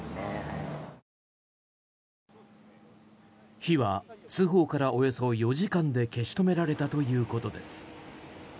火は通報からおよそ４時間で消し止められたということです。